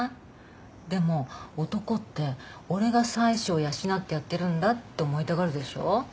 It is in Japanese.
でも男って俺が妻子を養ってやってるんだって思いたがるでしょ。